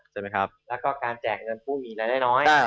แล้วก็การแจกเงินผู้มีรายได้น้อย